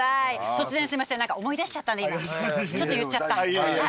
突然すいません思い出しちゃったんで今ちょっと言っちゃった。